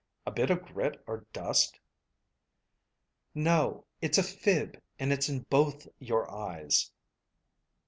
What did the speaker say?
"A bit of grit or dust?" "No, it's a fib, and it's in both your eyes."